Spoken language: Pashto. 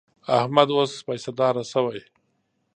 احمد اوس پیسهدار شوی.